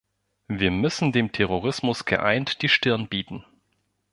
Wir müssen dem Terrorismus geeint die Stirn bieten.